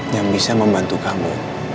yang bisa membantu kamu